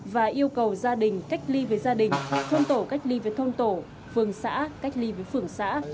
và yêu cầu gia đình cách ly với gia đình thôn tổ cách ly với thôn tổ phường xã cách ly với phường xã